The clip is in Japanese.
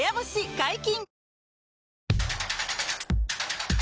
解禁‼